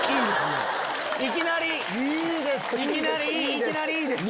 いきなりいいですね！